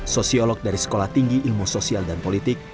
sosiolog dari sekolah tinggi ilmu sosial dan politik